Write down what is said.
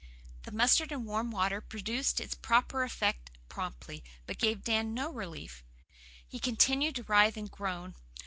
The mustard and warm water produced its proper effect promptly, but gave Dan no relief. He continued to writhe and groan.